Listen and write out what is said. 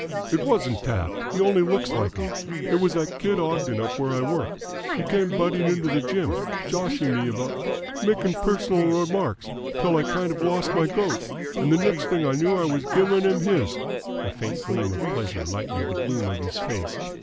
"It wasn't Taft. He only looks like him. It was that kid Ogden up where I work. He came butting into the gym, joshing me about makin' pers'nal remarks till I kind of lost my goat, and the next thing I knew I was giving him his!" A faint gleam of pleasure lightened the gloom of his face.